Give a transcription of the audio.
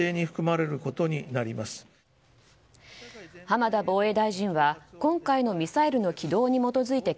浜田防衛大臣は今回のミサイル軌道に基づいて